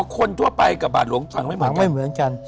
คนทั่วไปกับบาทหลวงฝังไม่เหมือนกัน